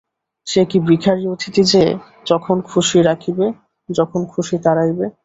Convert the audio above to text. সে কি ভিখারি অতিথি যে, যখন খুশি রাখিবে, যখন খুশি তাড়াইবে?